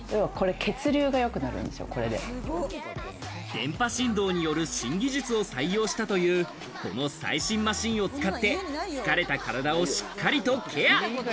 電波振動による新技術を採用したというこの最新マシンを使って、疲れた体をしっかりとケア。